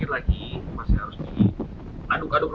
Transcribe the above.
masih harus di aduk aduk lagi